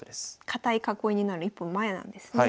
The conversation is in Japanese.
堅い囲いになる一歩前なんですね。